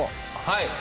はい。